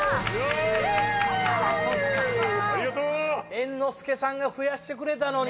猿之助さんが増やしてくれたのに。